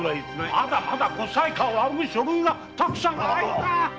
まだまだご裁可を仰ぐ書類がたくさん‼